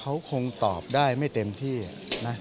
เขาคงตอบได้ไม่เต็มที่นะ